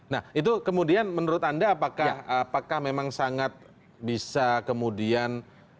nah itu kemudian menurut anda apakah memang sangat bisa kemudian